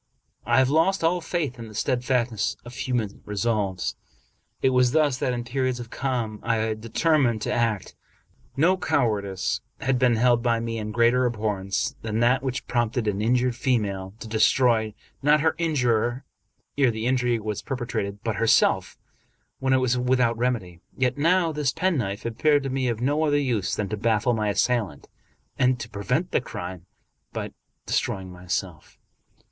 I have lost all faith in the steadfastness of human resolves. It was thus that in periods of calm I had determined to act. No cowardice had been held by me in greater abhor rence than that which prompted an injured female to de stroy, not her injurer ere the injury was perpetrated, but herself when it was without remedy. Yet now this pen knife appeared to me of no other use than to baffle my assailant and prevent the crime by destroying myself.